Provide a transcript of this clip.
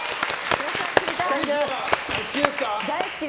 お好きですか？